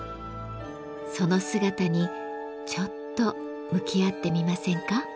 その姿にちょっと向き合ってみませんか。